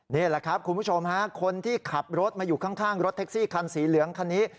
นี่แหละครับคุณผู้ชมฮะคนที่ขับรถมาอยู่ข้างรถแท็กซี่คันสีเหลืองคันนี้